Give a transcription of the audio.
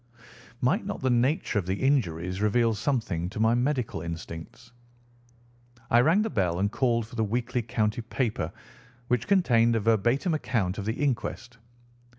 Might not the nature of the injuries reveal something to my medical instincts? I rang the bell and called for the weekly county paper, which contained a verbatim account of the inquest.